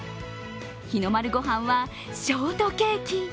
日の丸ごはんはショートケーキ。